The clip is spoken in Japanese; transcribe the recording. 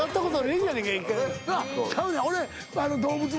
ちゃうねん俺。